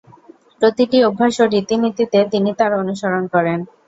প্রতিটি অভ্যাস ও রীতি-নীতিতে তিনি তার অনুসরণ করেন।